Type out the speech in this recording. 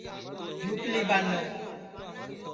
جھوٹؔلی بانو